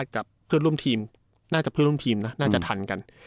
กับเพื่อนร่วมทีมน่าจะเพื่อนร่วมทีมนะน่าจะทันกัน